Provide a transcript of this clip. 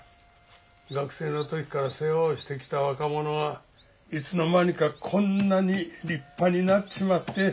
学生の時から世話をしてきた若者がいつの間にかこんなに立派になっちまって。